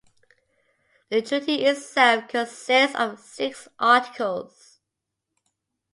The Treaty itself consists of six articles.